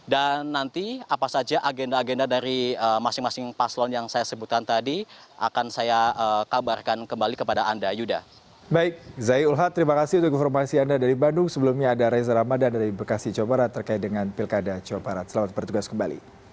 dan nanti apa saja agenda agenda dari masing masing paslon yang saya sebutkan tadi akan saya kabarkan kembali kepada anda yuda